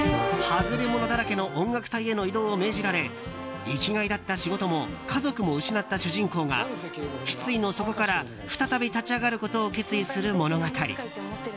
はぐれ者だらけの音楽隊への異動を命じられ生きがいだった仕事も家族も失った主人公が失意の底から再び立ち上がることを決意する物語。